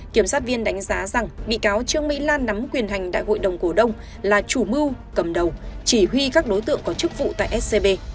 kiểm sát viên đánh giá rằng bị cáo trương mỹ lan nắm quyền hành đại hội đồng cổ đông là chủ mưu cầm đầu chỉ huy các đối tượng có chức vụ tại scb